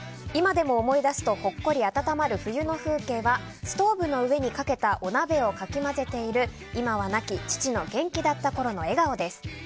今でも思い出すとほっこり温まる冬の風景はストーブの上にかけたお鍋をかき混ぜている今は亡き父の元気だったころの笑顔です。